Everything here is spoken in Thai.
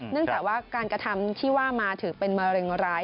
เนื่องจากว่าการกระทำที่ว่ามาถือเป็นมะเร็งร้าย